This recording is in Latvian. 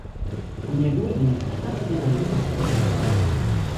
Un ja godīgi, tas ir arī saprotams.